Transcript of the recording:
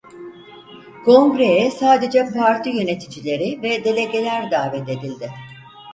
Kongreye sadece parti yöneticileri ve delegeler davet edildi.